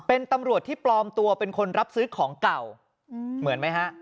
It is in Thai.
เป็นตำรวจที่ปลอมตัวเป็นคนรับซื้อของเก่าเหมือนไหมฮะ